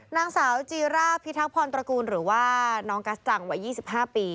นางสาวจีร่าพิทักษรตระกูลหรือว่าน้องกัสจังวัย๒๕ปี